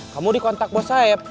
kamu dikontak bos saeb